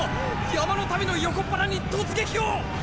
山の民の横っ腹に突撃を！